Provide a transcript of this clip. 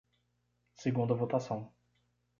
Segunda votação.